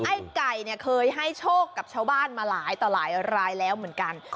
ไอ้ไก่เนี่ยเคยให้โชคกับชาวบ้านมาหลายต่อหลายรายแล้วเหมือนกัน